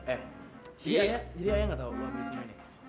eh jadi ayah nggak tahu gue ambil semua ini